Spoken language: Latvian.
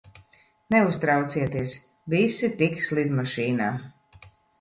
Neuztraucieties, visi tiks lidmašīnā.